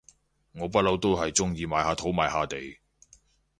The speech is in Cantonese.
我不嬲都係中意買下土買下地